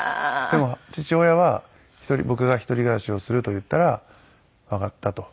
でも父親は僕が一人暮らしをすると言ったら「わかった」と。